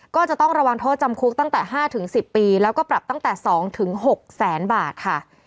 ก็จะต้องระวังโทษจำคุกตั้งแต่๕๑๐ปีแล้วก็ปรับตั้งแต่๒๖แสนบาทค่ะ